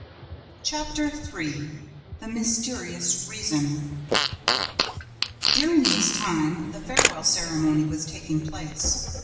Chapter III The Mysterious Reason During this time, the farewell ceremony was taking place.